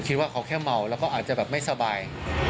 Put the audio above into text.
คิดว่าเขาแค่เมาแล้วก็อาจจะแบบไม่สบาย